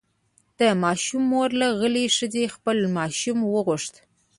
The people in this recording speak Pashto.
د ماشوم مور له غلې ښځې خپل ماشوم وغوښت.